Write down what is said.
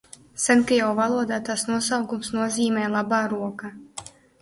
"Senkrievu valodā tās nosaukums nozīmē "labā roka"."